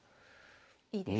いいですね。